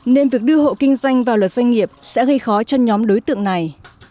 nên việc đưa hộ kinh doanh vào luật doanh nghiệp sẽ gây khó cho nhóm đối tượng này